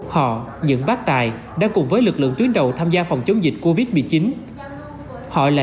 họ những bác tài đã cùng với lực lượng tuyến đầu tham gia phòng chống dịch covid một mươi chín họ là